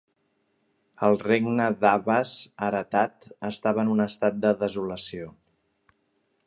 El regne d'Abbas heretat estava en un estat de desolació.